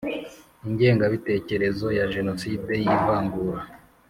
ingengabitekerezo ya jenoside y ivangura